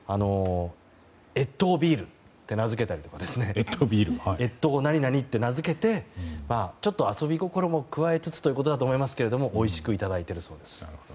越冬ビールって名付けたりとか越冬何々と名付けてちょっと遊び心を加えつつということだと思いますがおいしくいただいているそうです。